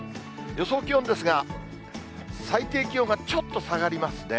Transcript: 予想気温ですが、最低気温がちょっと下がりますね。